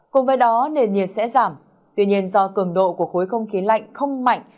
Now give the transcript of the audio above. cùng với đó nền nhiệt sẽ giảm tuy nhiên do cường độ của khối không khí lạnh không mạnh